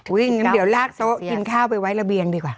งั้นเดี๋ยวลากโต๊ะกินข้าวไปไว้ระเบียงดีกว่า